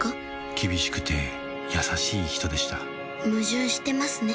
厳しくて優しい人でした矛盾してますね